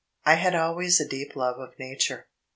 I had always a deep love of nature.